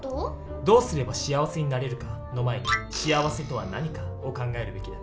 「どうすれば幸せになれるか？」の前に「幸せとは何か？」を考えるべきだね。